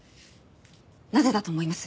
なぜだと思います？